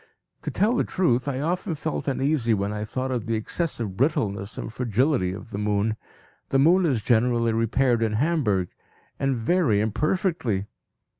To tell the truth, I often felt uneasy when I thought of the excessive brittleness and fragility of the moon. The moon is generally repaired in Hamburg, and very imperfectly.